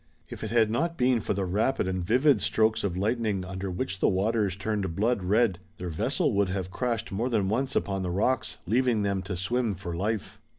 If it had not been for the rapid and vivid strokes of lightning under which the waters turned blood red their vessel would have crashed more than once upon the rocks, leaving them to swim for life.